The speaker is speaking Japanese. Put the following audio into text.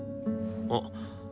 あっ。